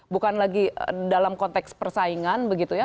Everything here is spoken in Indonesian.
bukan lagi dalam konteks persaingan begitu ya